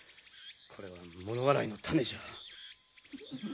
これは物笑いの種じゃ。